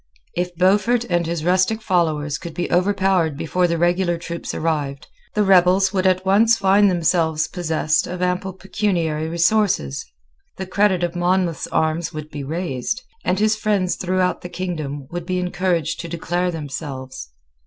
If Beaufort and his rustic followers could be overpowered before the regular troops arrived, the rebels would at once find themselves possessed of ample pecuniary resources; the credit of Monmouth's arms would be raised; and his friends throughout the kingdom would be encouraged to declare themselves.